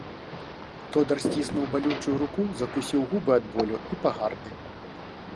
Тодар сціснуў балючую руку, закусіў губы ад болю і пагарды.